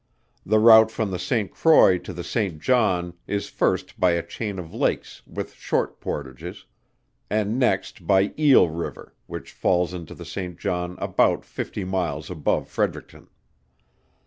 The route from the St. Croix to the St. John is first by a chain of lakes with short portages, and next by Eel river, which falls into the St. John about fifty miles above Fredericton.